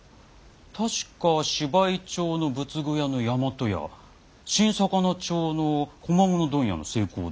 確か柴井町の仏具屋の大和屋新肴町の小間物問屋の精香堂。